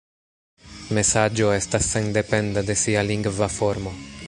Mesaĝo estas sendependa de sia lingva formo.